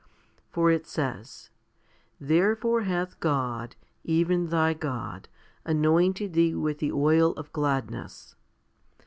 For it says, Therefore hath God, even Thy God, anointed Thee with the oil of gladness.'